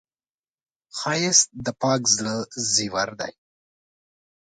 ښایست د پاک زړه زیور دی